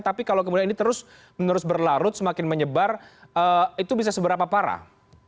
tapi kalau kemudian ini terus menerus berlarut semakin menyebar itu bisa seberapa parah